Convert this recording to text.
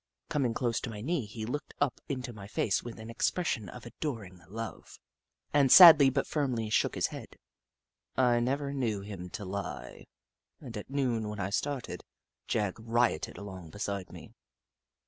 Coming close to my knee he looked up into my face with an expression of adoring love, and sadly but firmly shook his head. I never knew him to lie, and at noon, when I started, Jagg rioted along beside me.